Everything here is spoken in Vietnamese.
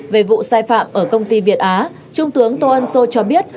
về vụ sai phạm ở công ty việt á trung tướng tô ân sô cho biết